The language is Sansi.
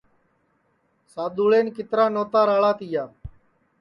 سادؔوݪین کِترا نوتا راݪا تیا